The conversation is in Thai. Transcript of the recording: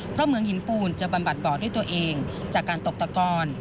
เพราะเหมืองหินปูนจะบำบัดบ่อด้วยตัวเองจากการตกตะกอน